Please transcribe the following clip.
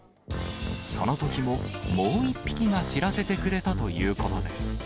そのときももう一匹が知らせてくれたということです。